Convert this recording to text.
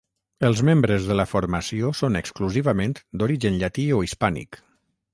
Els membres de la formació són exclusivament d'origen llatí o hispànic.